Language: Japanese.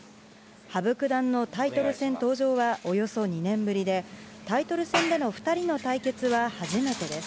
羽生九段のタイトル戦登場はおよそ２年ぶりで、タイトル戦での２人の対決は初めてです。